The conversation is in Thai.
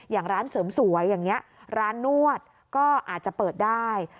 อย่างร้านเสริมสวยร้านนวดก็อาจจะเปิดได้